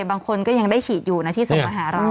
บางคนก็ยังได้ฉีดอยู่นะที่ส่งมาหาเรา